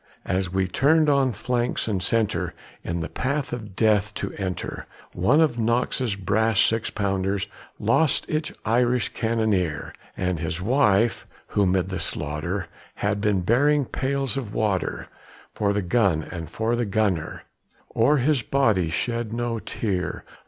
As we turned on flanks and centre, in the path of death to enter, One of Knox's brass six pounders lost its Irish cannoneer; And his wife who, 'mid the slaughter, had been bearing pails of water For the gun and for the gunner, o'er his body shed no tear.